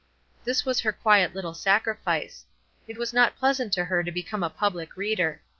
This was her quiet little sacrifice. It was not pleasant to her to become a public reader.